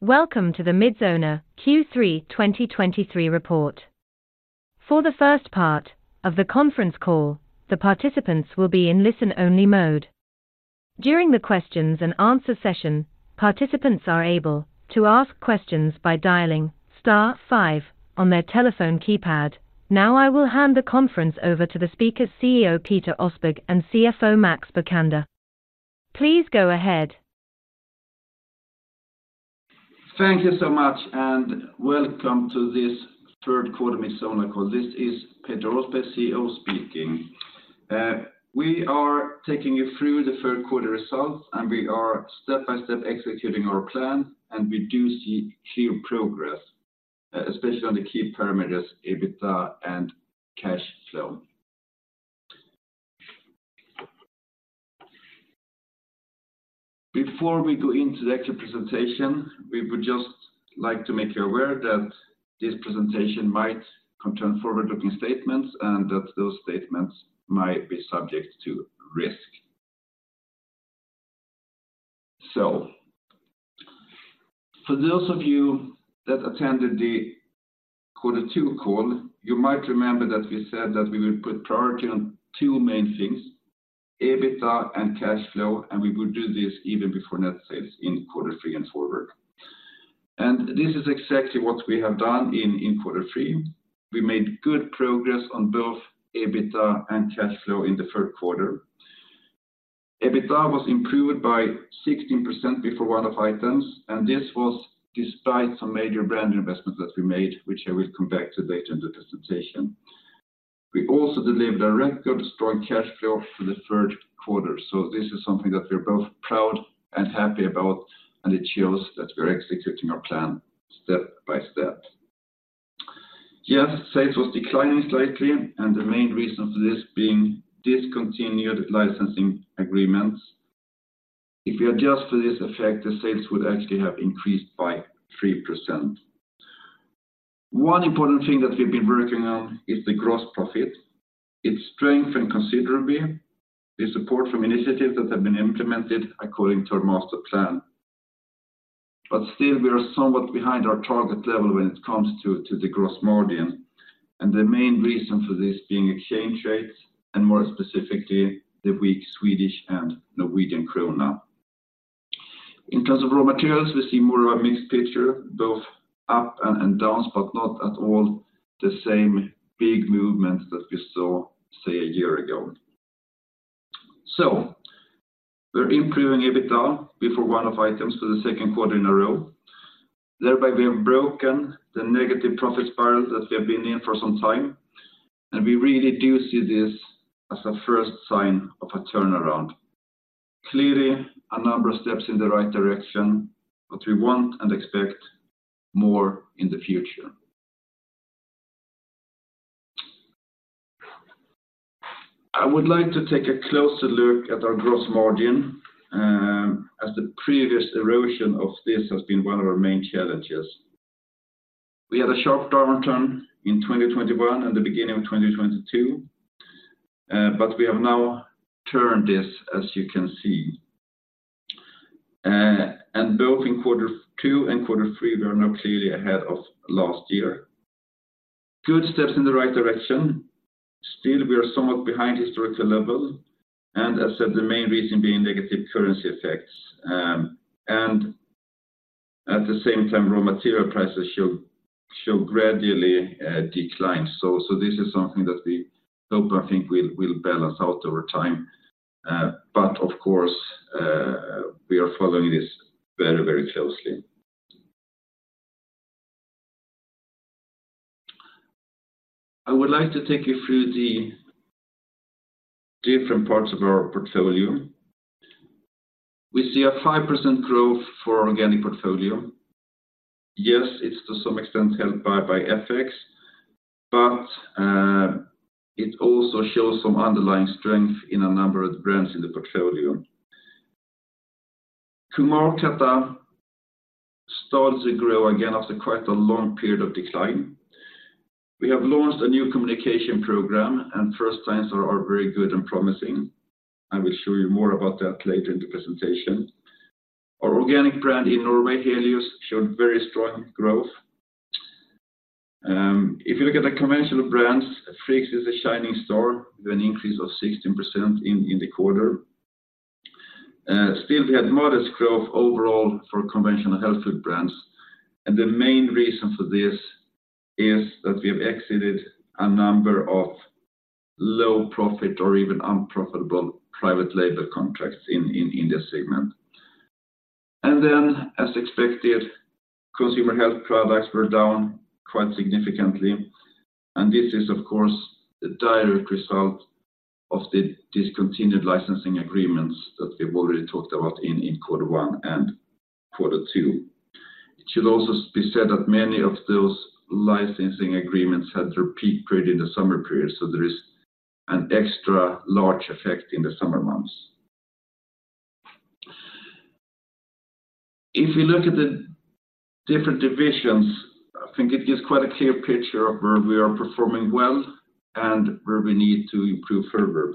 Welcome to the Midsona Q3 2023 report. For the first part of the conference call, the participants will be in listen-only mode. During the questions-and-answer session, participants are able to ask questions by dialing star five on their telephone keypad. Now, I will hand the conference over to the speaker, CEO Peter Åsberg, and CFO Max Bokander. Please go ahead. Thank you so much, and welcome to this third quarter Midsona call. This is Peter Åsberg, CEO, speaking. We are taking you through the third quarter results, and we are step by step executing our plan, and we do see clear progress, especially on the key parameters, EBITDA and cash flow. Before we go into the actual presentation, we would just like to make you aware that this presentation might contain forward-looking statements and that those statements might be subject to risk. So for those of you that attended the quarter two call, you might remember that we said that we would put priority on two main things, EBITDA and cash flow, and we would do this even before net sales in quarter three and forward. This is exactly what we have done in quarter three. We made good progress on both EBITDA and cash flow in the third quarter. EBITDA was improved by 16% before one-off items, and this was despite some major brand investments that we made, which I will come back to later in the presentation. We also delivered a record strong cash flow for the third quarter, so this is something that we're both proud and happy about, and it shows that we're executing our plan step by step. Yes, sales was declining slightly, and the main reason for this being discontinued licensing agreements. If you adjust for this effect, the sales would actually have increased by 3%. One important thing that we've been working on is the gross profit. It's strengthened considerably with support from initiatives that have been implemented according to our master plan. But still, we are somewhat behind our target level when it comes to the gross margin, and the main reason for this being exchange rates, and more specifically, the weak Swedish and Norwegian krona. In terms of raw materials, we see more of a mixed picture, both ups and downs, but not at all the same big movements that we saw, say, a year ago. So we're improving EBITDA before one-off items for the second quarter in a row. Thereby, we have broken the negative profit spiral that we have been in for some time, and we really do see this as a first sign of a turnaround. Clearly, a number of steps in the right direction, but we want and expect more in the future. I would like to take a closer look at our gross margin, as the previous erosion of this has been one of our main challenges. We had a sharp downward turn in 2021 and the beginning of 2022, but we have now turned this, as you can see. Both in quarter two and quarter three, we are now clearly ahead of last year. Good steps in the right direction. Still, we are somewhat behind historical level, and as said, the main reason being negative currency effects. At the same time, raw material prices show gradually decline. This is something that we hope and think will balance out over time. Of course, we are following this very, very closely. I would like to take you through the different parts of our portfolio. We see 5% growth for organic portfolio. Yes, it's to some extent helped by FX, but it also shows some underlying strength in a number of brands in the portfolio. Kung Markatta starts to grow again after quite a long period of decline. We have launched a new communication program, and first signs are very good and promising. I will show you more about that later in the presentation. Our organic brand in Norway, Helios, showed very strong growth. If you look at the conventional brands, Friggs is a shining star with an increase of 16% in the quarter. Still, we had modest growth overall for conventional health food brands, and the main reason for this is that we have exited a number of low profit or even unprofitable private label contracts in this segment. Then, as expected, consumer health products were down quite significantly. This is, of course, the direct result of the discontinued licensing agreements that we've already talked about in, in quarter one and quarter two. It should also be said that many of those licensing agreements had their peak period in the summer period, so there is an extra large effect in the summer months. If you look at the different divisions, I think it gives quite a clear picture of where we are performing well and where we need to improve further.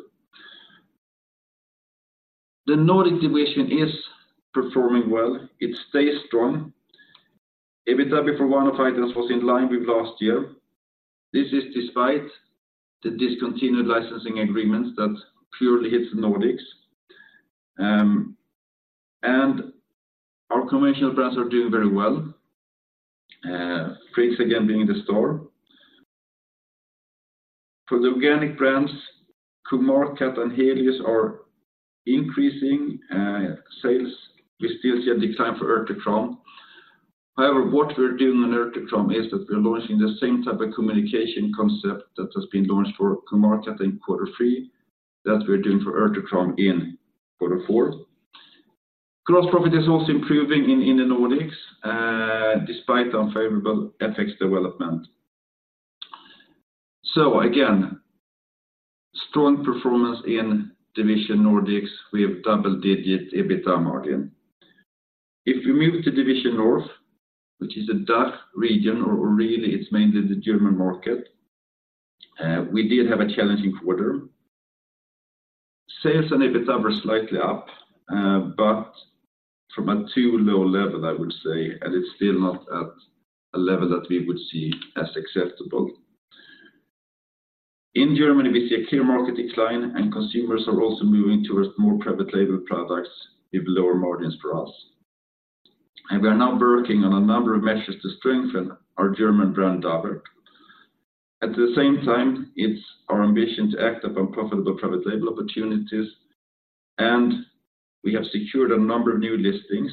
The Nordic division is performing well. It stays strong. EBITDA before one-off items was in line with last year. This is despite the discontinued licensing agreements that purely hits Nordics. And our conventional brands are doing very well, Friggs again, being in the store. For the organic brands, Kung Markatta and Helios are increasing sales. We still see a decline for Urtekram. However, what we're doing on Urtekram is that we're launching the same type of communication concept that has been launched for Kung Markatta in quarter three, that we're doing for Urtekram in quarter four. Gross profit is also improving in the Nordics despite the unfavorable FX development. So again, strong performance in Division Nordics with double-digit EBITDA margin. If we move to Division DACH, which is the DACH region, or really, it's mainly the German market, we did have a challenging quarter. Sales and EBITDA were slightly up, but from a too low level, I would say, and it's still not at a level that we would see as acceptable. In Germany, we see a clear market decline, and consumers are also moving towards more private label products with lower margins for us. We are now working on a number of measures to strengthen our German brand, Davert. At the same time, it's our ambition to act upon profitable private label opportunities, and we have secured a number of new listings,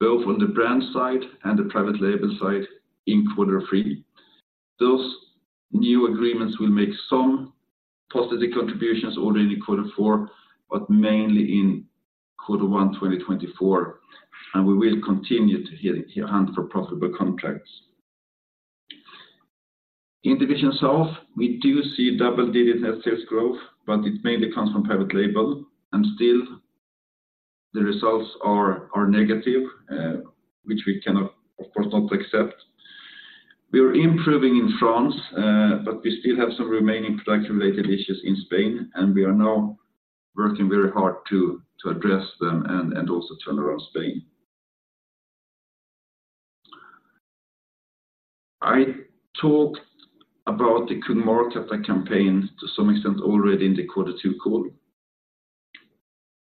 both on the brand side and the private label side in quarter three. Those new agreements will make some positive contributions already in quarter four, but mainly in quarter one, 2024, and we will continue to hit for profitable contracts. In Division South, we do see double-digit net sales growth, but it mainly comes from private label, and still the results are negative, which we cannot, of course, not accept. We are improving in France, but we still have some remaining product-related issues in Spain, and we are now working very hard to address them and also turn around Spain. I talked about the Kung Markatta campaign to some extent already in the quarter two call.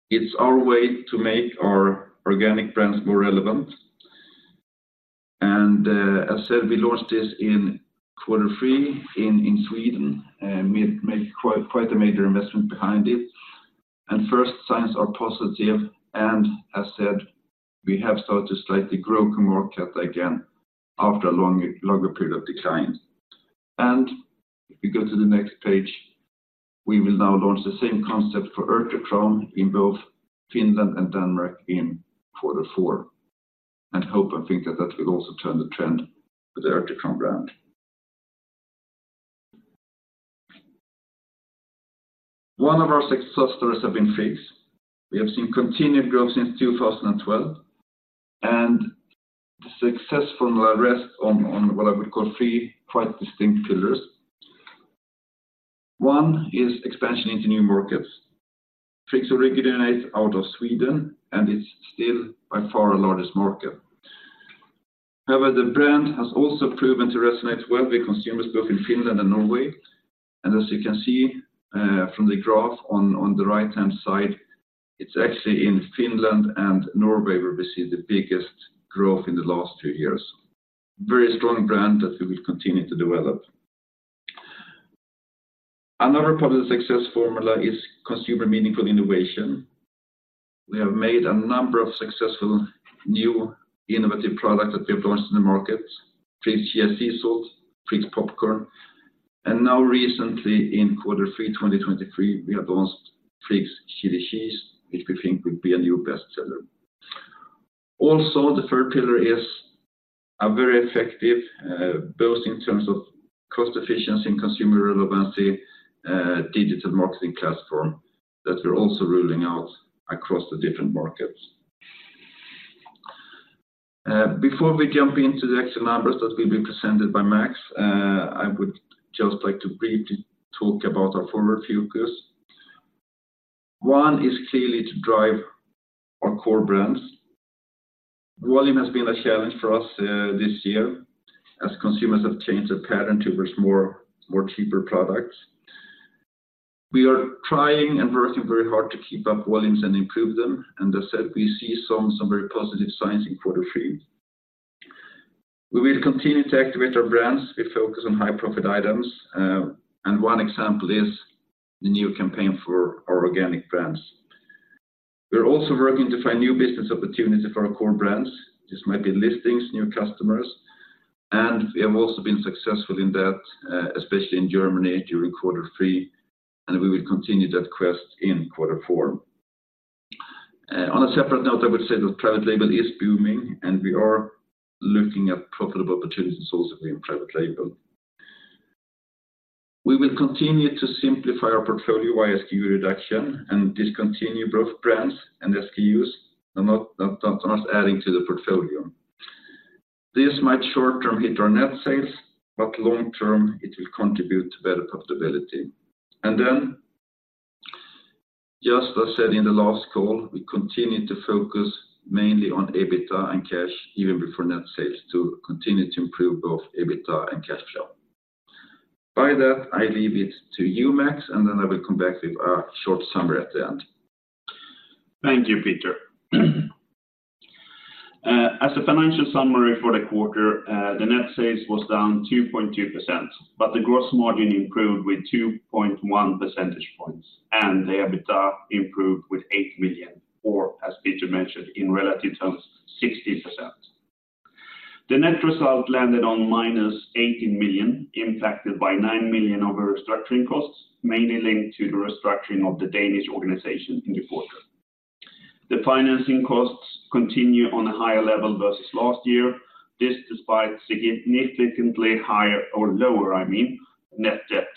It's our way to make our organic brands more relevant. And, as said, we launched this in quarter three in Sweden, and made quite a major investment behind it. And first signs are positive, and as said, we have started to slightly grow Kung Markatta again after a longer period of decline. And if you go to the next page, we will now launch the same concept for Urtekram in both Finland and Denmark in quarter four, and hope and think that that will also turn the trend for the Urtekram brand. One of our success stories have been Friggs. We have seen continued growth since 2012, and the success formula rests on what I would call three quite distinct pillars. One is expansion into new markets. Friggs originates out of Sweden, and it's still by far our largest market. However, the brand has also proven to resonate well with consumers both in Finland and Norway. And as you can see from the graph on the right-hand side, it's actually in Finland and Norway where we see the biggest growth in the last two years. Very strong brand that we will continue to develop. Another part of the success formula is consumer meaningful innovation. We have made a number of successful new innovative products that we have launched in the market, Friggs sea salt, Friggs popcorn, and now recently in Q3 2023, we have launched Friggs chili cheese, which we think will be a new best seller. Also, the third pillar is a very effective, both in terms of cost efficiency and consumer relevancy, digital marketing platform that we're also rolling out across the different markets. Before we jump into the actual numbers that will be presented by Max, I would just like to briefly talk about our forward focus. One is clearly to drive our core brands. Volume has been a challenge for us, this year, as consumers have changed their pattern towards more, more cheaper products. We are trying and working very hard to keep up volumes and improve them, and as said, we see some very positive signs in quarter three. We will continue to activate our brands. We focus on high profit items, and one example is the new campaign for our organic brands. We're also working to find new business opportunities for our core brands. This might be listings, new customers, and we have also been successful in that, especially in Germany during quarter three, and we will continue that quest in quarter four. On a separate note, I would say that private label is booming, and we are looking at profitable opportunities also in private label. We will continue to simplify our portfolio by SKU reduction and discontinue both brands and SKUs not adding to the portfolio. This might short term hit our net sales, but long term, it will contribute to better profitability. And then, just as said in the last call, we continue to focus mainly on EBITDA and cash, even before net sales, to continue to improve both EBITDA and cash flow. By that, I leave it to you, Max, and then I will come back with a short summary at the end. Thank you, Peter. As a financial summary for the quarter, the net sales was down 2.2%, but the gross margin improved with 2.1 percentage points, and the EBITDA improved with 8 million, or as Peter mentioned, in relative terms, 60%. The net result landed on -18 million, impacted by 9 million over restructuring costs, mainly linked to the restructuring of the Danish organization in the quarter. The financing costs continue on a higher level versus last year. This, despite significantly higher or lower, I mean, net debt,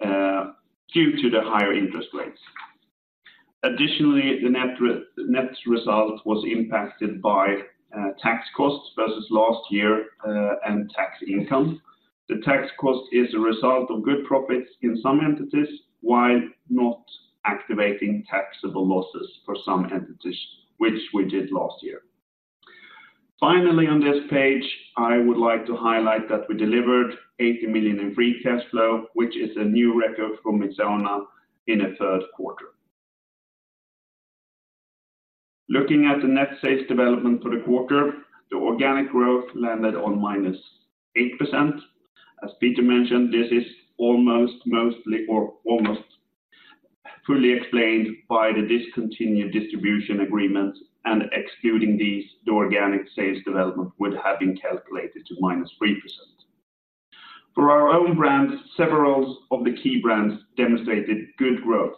due to the higher interest rates. Additionally, the net result was impacted by, tax costs versus last year, and tax income. The tax cost is a result of good profits in some entities, while not activating taxable losses for some entities, which we did last year. Finally, on this page, I would like to highlight that we delivered 80 million in free cash flow, which is a new record for Midsona in a third quarter. Looking at the net sales development for the quarter, the organic growth landed on -8%. As Peter mentioned, this is almost mostly or almost fully explained by the discontinued distribution agreement, and excluding these, the organic sales development would have been calculated to -3%. For our own brands, several of the key brands demonstrated good growth,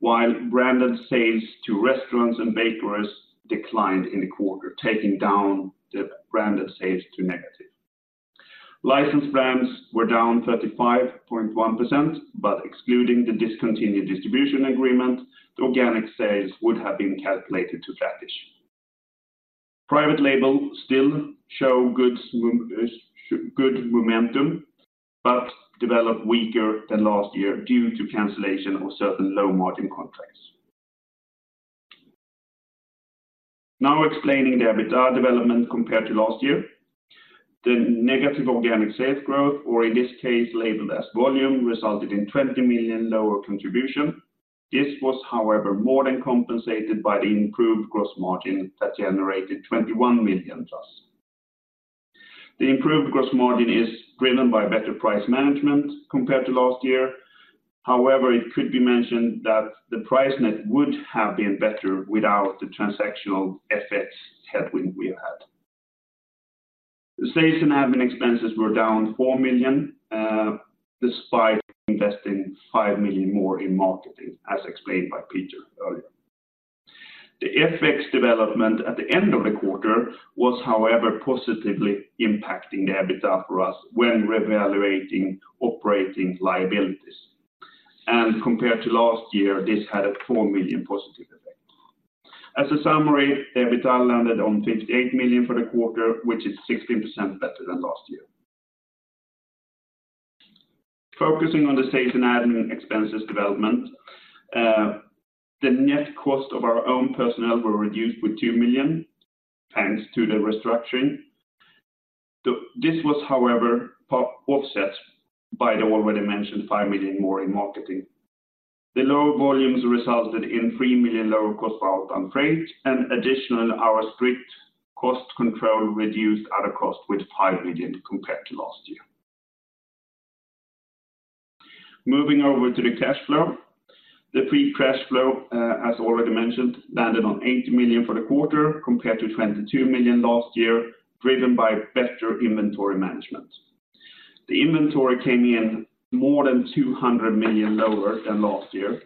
while branded sales to restaurants and bakeries declined in the quarter, taking down the branded sales to negative. Licensed brands were down 35.1%, but excluding the discontinued distribution agreement, the organic sales would have been calculated to flat. Private label still shows good momentum, but developed weaker than last year due to cancellation of certain low-margin contracts. Now, explaining the EBITDA development compared to last year. The negative organic sales growth, or in this case, labeled as volume, resulted in 20 million lower contribution. This was, however, more than compensated by the improved gross margin that generated 21 million plus. The improved gross margin is driven by better price management compared to last year. However, it could be mentioned that the price net would have been better without the transactional FX headwind we have had. The sales and admin expenses were down 4 million, despite investing 5 million more in marketing, as explained by Peter earlier. The FX development at the end of the quarter was, however, positively impacting the EBITDA for us when reevaluating operating liabilities. And compared to last year, this had a 4 million positive effect. As a summary, EBITDA landed on 58 million for the quarter, which is 16% better than last year. Focusing on the sales and admin expenses development, the net cost of our own personnel were reduced with 2 million, thanks to the restructuring. This was, however, part offset by the already mentioned 5 million more in marketing. The lower volumes resulted in 3 million lower cost of outbound freight, and additionally, our strict cost control reduced other costs with 5 million compared to last year. Moving over to the cash flow. The free cash flow, as already mentioned, landed on 80 million for the quarter, compared to 22 million last year, driven by better inventory management. The inventory came in more than 200 million lower than last year.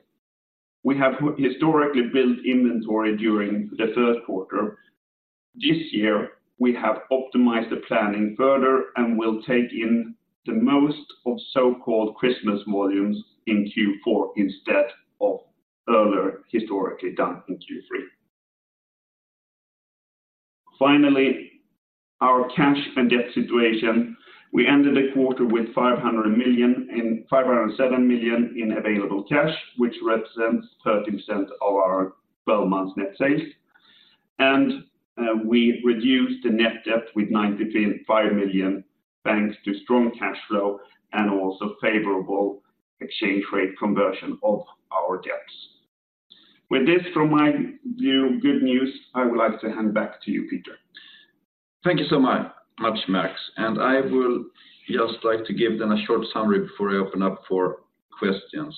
We have historically built inventory during the third quarter. This year, we have optimized the planning further and will take in the most of so-called Christmas volumes in Q4 instead of earlier, historically done in Q3. Finally, our cash and debt situation. We ended the quarter with 500 million in, 507 million in available cash, which represents 13% of our 12 months net sales. We reduced the net debt with 95 million, thanks to strong cash flow and also favorable exchange rate conversion of our debts. With this, from my view, good news, I would like to hand back to you, Peter. Thank you so much, Max, and I will just like to give them a short summary before I open up for questions.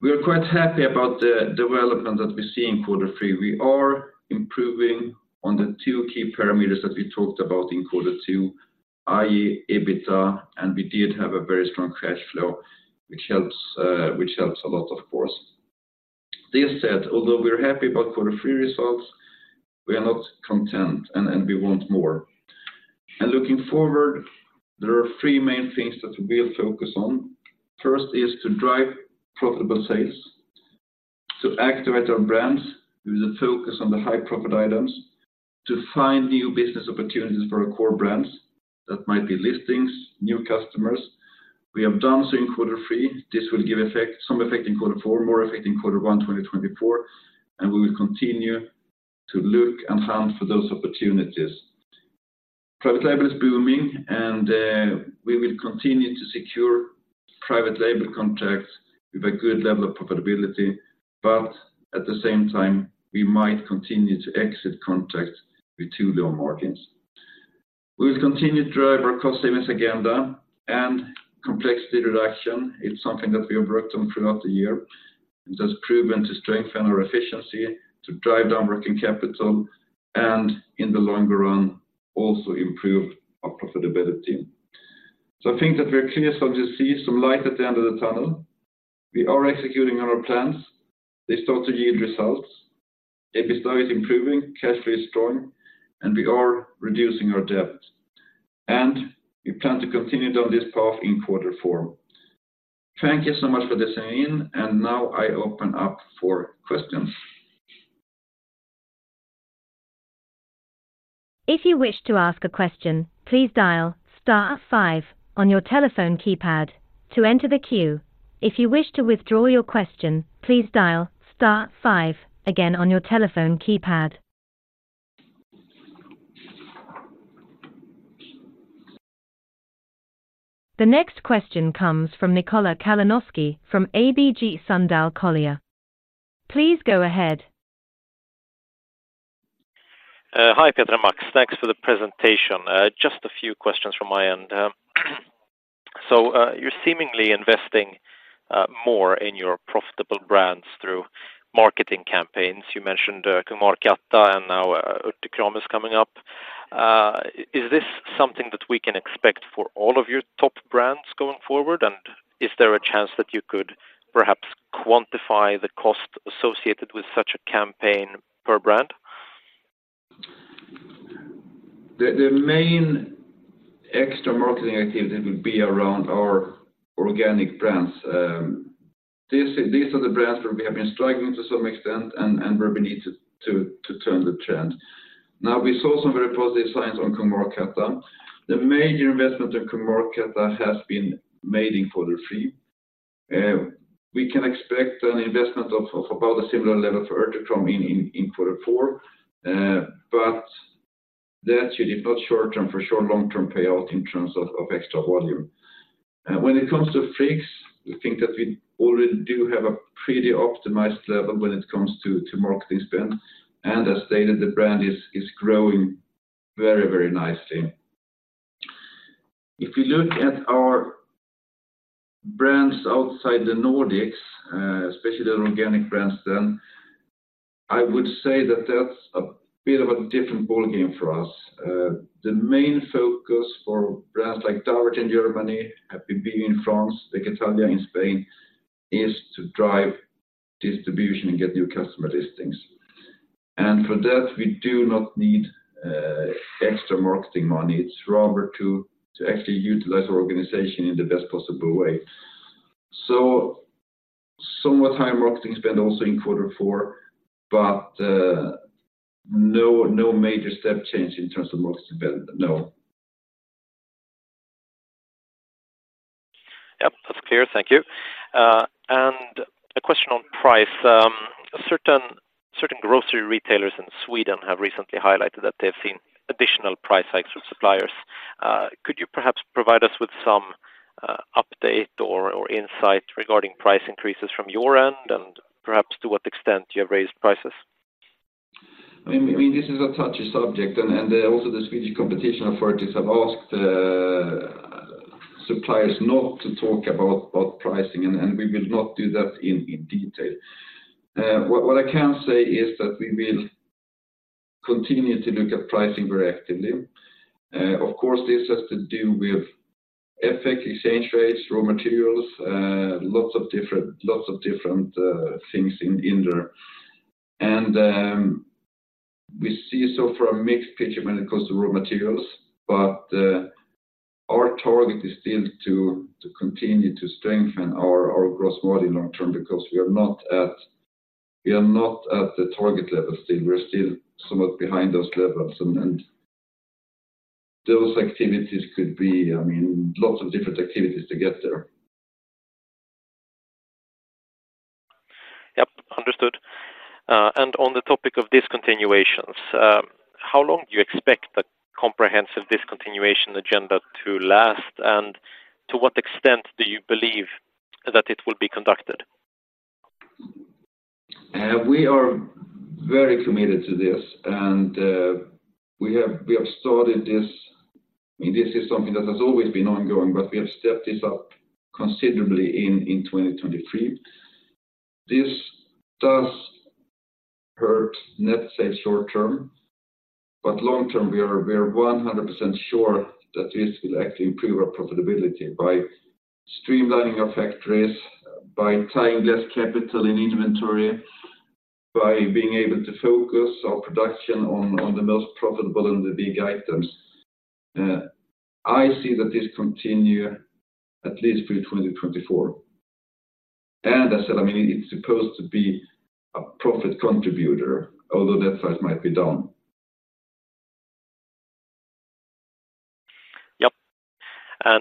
We are quite happy about the development that we see in quarter three. We are improving on the two key parameters that we talked about in quarter two, i.e., EBITDA, and we did have a very strong cash flow, which helps, which helps a lot, of course. This said, although we're happy about quarter three results, we are not content, and we want more. And looking forward, there are three main things that we will focus on. First is to drive profitable sales. To activate our brands with a focus on the high profit items, to find new business opportunities for our core brands that might be listings, new customers. We have done so in quarter three. This will give effect, some effect in quarter four, more effect in quarter one, 2024, and we will continue to look and hunt for those opportunities. Private label is booming, and we will continue to secure private label contracts with a good level of profitability, but at the same time, we might continue to exit contracts with too low margins. We will continue to drive our cost savings agenda and complexity reduction. It's something that we have worked on throughout the year, and that's proven to strengthen our efficiency, to drive down working capital, and in the longer run, also improve our profitability. So I think that we're clearly starting to see some light at the end of the tunnel. We are executing on our plans. They start to yield results. EBITDA is improving, cash flow is strong, and we are reducing our debt, and we plan to continue down this path in quarter four. Thank you so much for listening in, and now I open up for questions. If you wish to ask a question, please dial star five on your telephone keypad to enter the queue. If you wish to withdraw your question, please dial star five again on your telephone keypad. The next question comes from Nikola Kalanoski from ABG Sundal Collier. Please go ahead. Hi, Peter and Max. Thanks for the presentation. Just a few questions from my end. So, you're seemingly investing more in your profitable brands through marketing campaigns. You mentioned Kung Markatta, and now Urtekram is coming up. Is this something that we can expect for all of your top brands going forward? And is there a chance that you could perhaps quantify the cost associated with such a campaign per brand? The main extra marketing activity will be around our organic brands. These are the brands where we have been struggling to some extent and where we need to turn the trend. Now, we saw some very positive signs on Kung Markatta. The major investment in Kung Markatta has been made in quarter three. We can expect an investment of about a similar level for Urtekram in quarter four, but that should, if not short term, for sure long term payout in terms of extra volume. When it comes to Friggs, we think that we already do have a pretty optimized level when it comes to marketing spend, and as stated, the brand is growing very nicely. If you look at our brands outside the Nordics, especially the organic brands, then I would say that that's a bit of a different ball game for us. The main focus for brands like Davert in Germany, Happy Bio in France, Vegetalia in Spain, is to drive distribution and get new customer listings. And for that, we do not need extra marketing money. It's rather to, to actually utilize our organization in the best possible way. So somewhat high marketing spend also in quarter four, but no, no major step change in terms of marketing spend. No. Yep, that's clear. Thank you. And a question on price. Certain grocery retailers in Sweden have recently highlighted that they've seen additional price hikes from suppliers. Could you perhaps provide us with some update or insight regarding price increases from your end and perhaps to what extent you have raised prices? I mean, this is a touchy subject, and also the Swedish competition authorities have asked suppliers not to talk about pricing, and we will not do that in detail. What I can say is that we will continue to look at pricing very actively. Of course, this has to do with FX, exchange rates, raw materials, lots of different things in there. And we see so far a mixed picture when it comes to raw materials, but our target is still to continue to strengthen our gross margin long term, because we are not at the target level still. We're still somewhat behind those levels, and those activities could be, I mean, lots of different activities to get there. Yep, understood. And on the topic of discontinuations, how long do you expect the comprehensive discontinuation agenda to last? And to what extent do you believe that it will be conducted? We are very committed to this, and we have started this. I mean, this is something that has always been ongoing, but we have stepped this up considerably in 2023. This does hurt net sales short term, but long term, we are 100% sure that this will actually improve our profitability by streamlining our factories, by tying less capital in inventory-... by being able to focus our production on the most profitable and the big items. I see that this continue at least through 2024. And as said, I mean, it's supposed to be a profit contributor, although that size might be down. Yep. A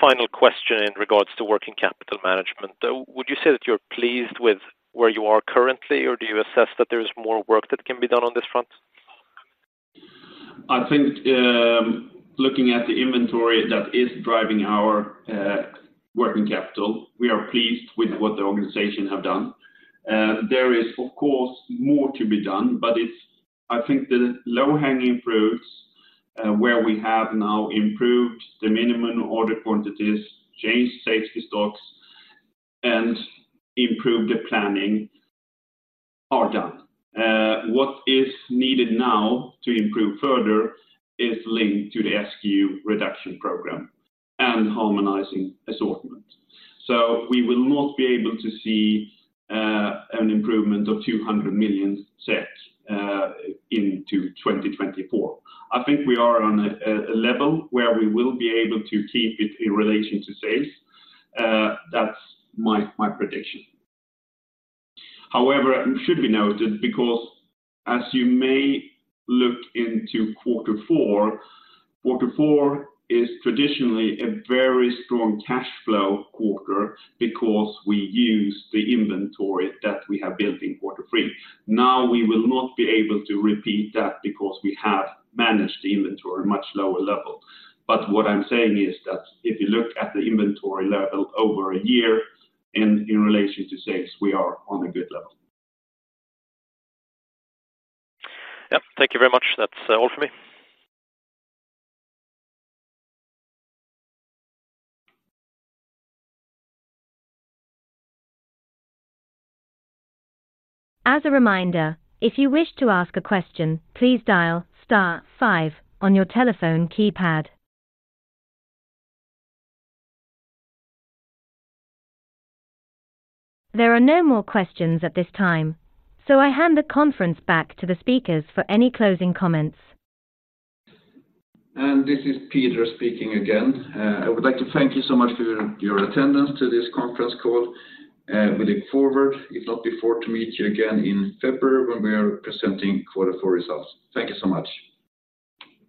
final question in regards to working capital management, would you say that you're pleased with where you are currently, or do you assess that there is more work that can be done on this front? I think, looking at the inventory that is driving our working capital, we are pleased with what the organization have done. There is, of course, more to be done, but it's, I think the low-hanging fruits where we have now improved the minimum order quantities, changed safety stocks, and improved the planning are done. What is needed now to improve further is linked to the SKU reduction program and harmonizing assortment. So we will not be able to see an improvement of 2 million SEK into 2024. I think we are on a level where we will be able to keep it in relation to sales. That's my prediction. However, it should be noted because as you may look into quarter four, quarter four is traditionally a very strong cash flow quarter because we use the inventory that we have built in quarter three. Now, we will not be able to repeat that because we have managed the inventory at a much lower level. But what I'm saying is that if you look at the inventory level over a year in relation to sales, we are on a good level. Yep. Thank you very much. That's all for me. As a reminder, if you wish to ask a question, please dial star five on your telephone keypad. There are no more questions at this time, so I hand the conference back to the speakers for any closing comments. This is Peter speaking again. I would like to thank you so much for your, your attendance to this conference call, and we look forward, if not before, to meet you again in February when we are presenting quarter four results. Thank you so much.